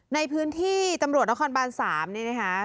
ในพื้นที่ตำรวจนครบาน๓นี่นะคะ